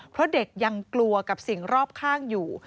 เพราะเด็กยังกลัวกับสิ่งรอบข้างอยู่